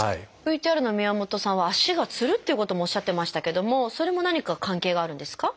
ＶＴＲの宮本さんは足がつるということもおっしゃってましたけどもそれも何か関係があるんですか？